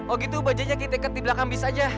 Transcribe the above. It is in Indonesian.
oh gitu bajanya kita ikat di belakang bis aja